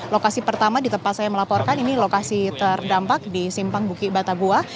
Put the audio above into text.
lokasi pertama di tempat saya melaporkan ini lokasi terdampak di simpang bukit batagoa